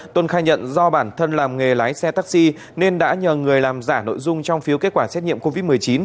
tuân khai nhận do bản thân làm nghề lái xe taxi nên đã nhờ người làm giả nội dung trong phiếu kết quả xét nghiệm covid một mươi chín